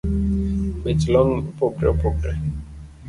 Bech long’ opogore opogore